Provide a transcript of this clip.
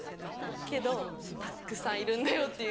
けどたくさんいるんだよ」っていう。